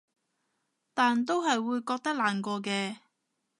但都係會覺得難過嘅